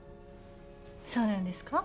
そうなんですか？